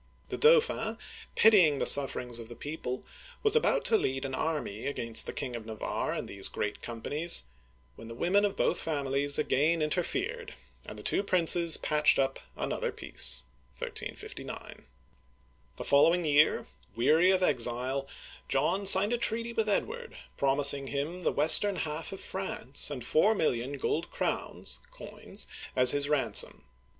The Dauphin, pitying the sufferings of the people, was about to lead an army against the King of Navarre and these Great Companies, when the women of both families again inter fered, and the two princes patched up another peace (1359). The following year, weary of exile, John signed a treaty with Edward, promising him the western half of France and four million gold crowns (coins) as his ransom.